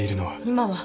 今は。